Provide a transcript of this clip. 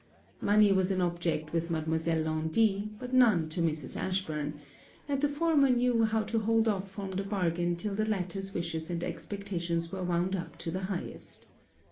Money was an object with Mademoiselle Laundy, but none to Mrs. Ashburn; and the former knew how to hold off from the bargain till the latter's wishes and expectations were wound up to the highest.